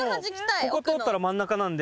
ここ通ったら真ん中なんで。